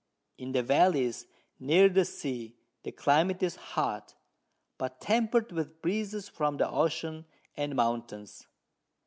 In the Vallies near the Sea the Climate is hot, but temper'd with Breezes from the Ocean and Mountains.